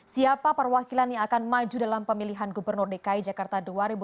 siapa perwakilan yang akan maju dalam pemilihan gubernur dki jakarta dua ribu delapan belas